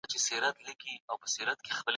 سوداګر به دوراني پانګي ته دوام ورکوي.